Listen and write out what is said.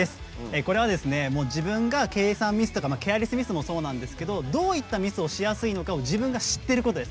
これは自分が計算ミスケアレスミスもそうですがどういったミスをしやすいのか自分が知っていることです。